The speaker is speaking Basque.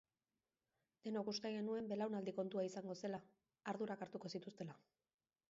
Denok uste genuen belaunaldi kontua izango zela, ardurak hartuko zituztela.